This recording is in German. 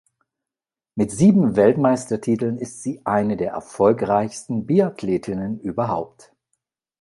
Mit sieben Weltmeistertiteln ist sie eine der erfolgreichsten Biathletinnen überhaupt.